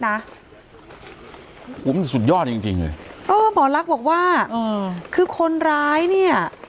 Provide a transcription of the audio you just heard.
นี่สุดยอดจริงเออหมอลักษมณ์บอกว่าคือคนร้ายเนี่ย